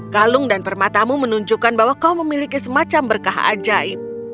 kalung dan permatamu menunjukkan bahwa kau memiliki semacam berkah ajaib